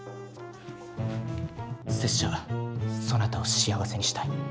拙者そなたを幸せにしたい。